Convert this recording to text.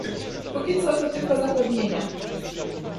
Póki co to tylko zapewnienia